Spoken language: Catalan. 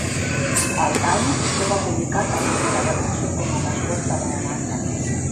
El "Times" no va publicar cap mena de retracció com a resposta a la demanda.